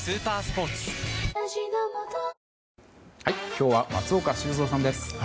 今日は松岡修造さんです。